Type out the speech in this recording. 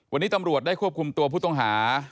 วันนี้ตำรวจได้ควบคุมตัวผู้ต้องหา